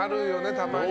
たまにね。